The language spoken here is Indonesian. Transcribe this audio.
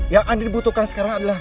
yang anda butuhkan sekarang adalah